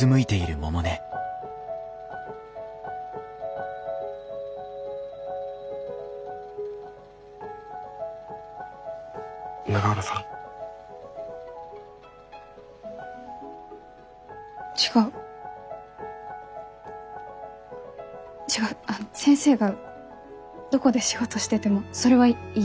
あの先生がどこで仕事しててもそれはいいです。